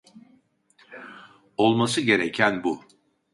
Olması gereken bu.